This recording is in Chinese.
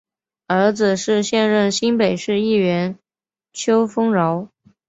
儿子是现任新北市议员邱烽尧。